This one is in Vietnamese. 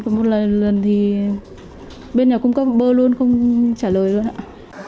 và một lần thì bên nhà cung cấp bơ luôn không trả lời luôn ạ